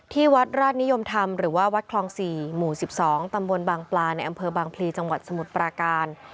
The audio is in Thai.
ที่วัดราชนิยมธรรมหรือว่าวัดคลอง๔หมู่๑๒ตำบลบางปลาในอำเภอบางพลีจังหวัดสมุทรปราการ